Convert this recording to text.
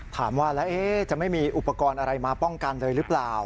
ถามว่าแล้วจะไม่มีอุปกรณ์อะไรมาป้องกันเลยหรือเปล่า